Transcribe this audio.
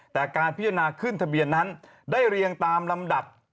แต่การพิจารณาขึ้นทะเบียนนั้นได้เรียงตามลำดับ